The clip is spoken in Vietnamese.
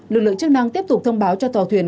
lực lượng chức năng tiếp tục thông báo cho tàu thuyền